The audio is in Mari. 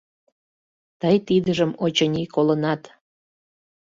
Тый тидыжым, очыни, колынат?